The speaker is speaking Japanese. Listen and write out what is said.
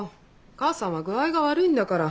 母さんは具合が悪いんだから。